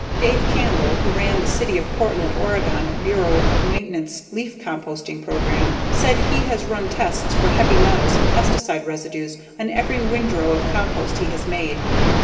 Dave Campbell who ran the City of Portland (Oregon) Bureau of Maintenance leaf composting program said he has run tests for heavy metals and pesticide residues on every windrow of compost he has made.